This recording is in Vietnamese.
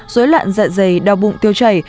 dối loạn dạ dày đau bụng tiêu chảy